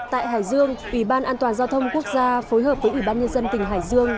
tại hải dương ủy ban an toàn giao thông quốc gia phối hợp với ủy ban nhân dân tỉnh hải dương